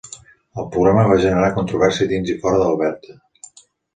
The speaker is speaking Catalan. El programa va generar controvèrsia dins i fora d'Alberta.